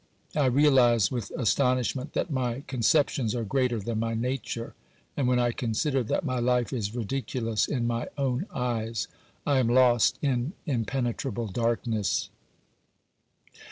I realise with astonishment that my con ceptions are greater than my nature, and when I consider that my life is ridiculous in my own eyes I am lost in im penetrable darkness.